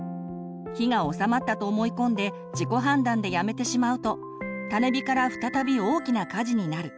火が収まったと思い込んで自己判断でやめてしまうと種火から再び大きな火事になる。